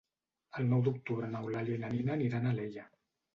El nou d'octubre n'Eulàlia i na Nina aniran a Alella.